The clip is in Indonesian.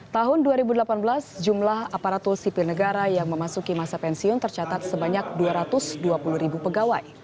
tahun dua ribu delapan belas jumlah aparatur sipil negara yang memasuki masa pensiun tercatat sebanyak dua ratus dua puluh ribu pegawai